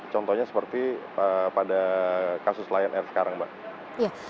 contohnya seperti pada kasus lion air sekarang mbak